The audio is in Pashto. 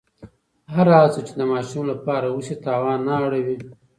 هره هڅه چې د ماشوم لپاره وشي، تاوان نه اړوي.